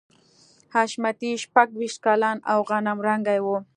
حشمتي شپږویشت کلن او غنم رنګی و